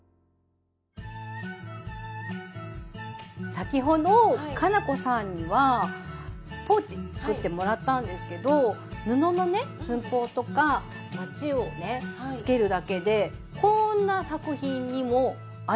先ほど佳菜子さんにはポーチ作ってもらったんですけど布のね寸法とかまちをねつけるだけでこんな作品にもアレンジできちゃうんです。